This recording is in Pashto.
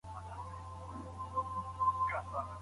فوټبال د زړه لپاره ګټور دی؟